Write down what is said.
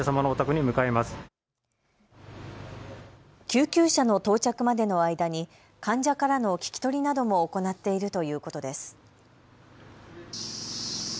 救急車の到着までの間に患者からの聞き取りなども行っているということです。